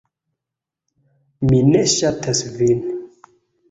"Mi ne ŝatas vin."